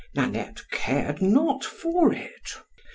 Nannette cared not for it.